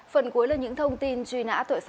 phần cuối là những thông tin truy nã